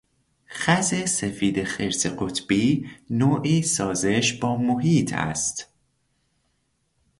خز سفید خرس قطبی نوعی سازش با محیط است.